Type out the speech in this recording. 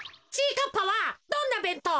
かっぱはどんなべんとう？